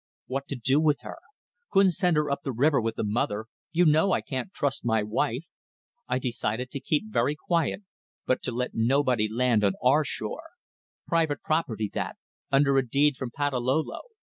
What to do with her? Couldn't send her up the river with the mother. You know I can't trust my wife. I decided to keep very quiet, but to let nobody land on our shore. Private property, that; under a deed from Patalolo.